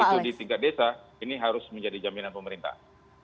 itu di tingkat desa ini harus menjadi jaminan pemerintah